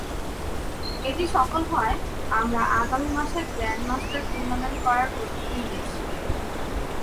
এটি সফল হওয়ায় আমরা আগামী মাসে গ্র্যান্ডমাস্টার্স টুর্নামেন্ট করার প্রস্তুতি নিয়েছি।